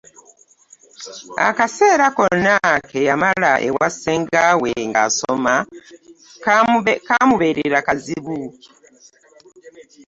Akaseera konna ke yamala e wa ssengaawe ng'asoma kaamubeerera kazibu.